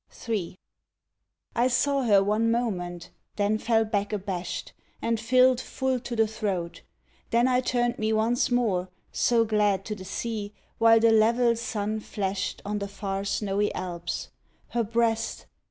III. I saw her one moment, then fell back abashed And filled full to the throat. ... Then I turned me once more So glad to the sea, while the level sun flashed On the far, snowy Alps. ... Her breast!